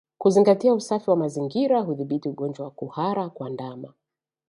Kuzingatia usafi wa mazingira hudhibiti ugonjwa wa kuhara kwa ndama